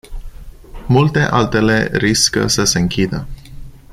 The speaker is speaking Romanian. Multe altele riscă să se închidă.